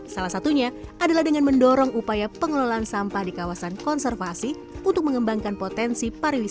salah satunya adalah dengan mendorong upaya pengelolaan sampah di kawasan konservasi untuk mengembangkan potensi pariwisata